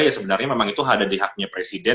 ya sebenarnya memang itu ada di haknya presiden